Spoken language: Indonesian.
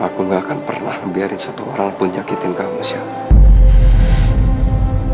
aku gak akan pernah membiarin satu orang pun nyakitin kamu siapa